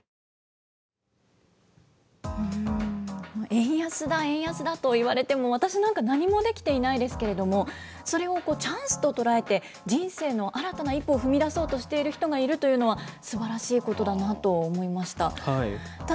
円安だ、円安だといわれても、私なんか何もできていないですけれども、それをチャンスと捉えて、人生の新たな一歩を踏み出そうとしている人がいるというのは、素晴らしいことだなと思いました。